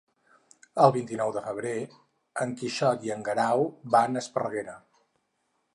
El vint-i-nou de febrer en Quixot i en Guerau van a Esparreguera.